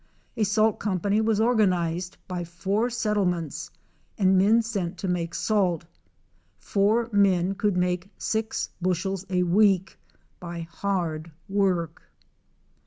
A salt company was organized by four settlements, and men sent to make salt — four men could make six bushels a week by hard work.